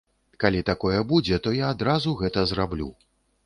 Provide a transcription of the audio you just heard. Калі такое будзе, то я адразу гэта зраблю.